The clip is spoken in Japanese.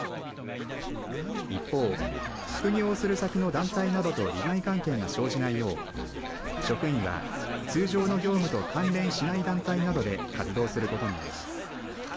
一方、副業をする先の団体などと利害関係が生じないよう職員は通常の業務と関連しない団体などで活動することになります。